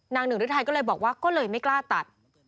หนึ่งฤทัยก็เลยบอกว่าก็เลยไม่กล้าตัด